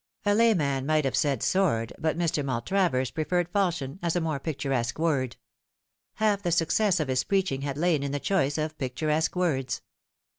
A layman might have said sword, but Mr. Maltravers preferred falchion, as a more picturesque word. Half the success of his preaching had lain in the choice of picturesque words.